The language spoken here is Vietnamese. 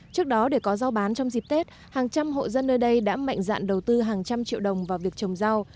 trước đó để có rau bán trong dịp tết hàng trăm hộ dân nơi đây đã mạnh dạn đầu tư hàng trăm triệu đồng vào việc trồng rau